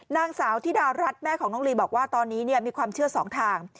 นางสาวธิดารัฐแม่ของน้องลีบอกว่าตอนนี้มีความเชื่อสองทาง